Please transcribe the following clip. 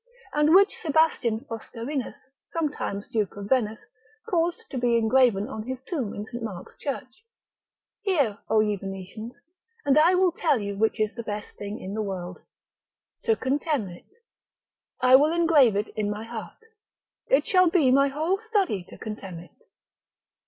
And which Sebastian Foscarinus, sometime Duke of Venice, caused to be engraven on his tomb in St. Mark's Church, Hear, O ye Venetians, and I will tell you which is the best thing in the world: to contemn it. I will engrave it in my heart, it shall be my whole study to contemn it.